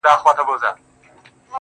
كه زړه يې يوسې و خپل كور ته گراني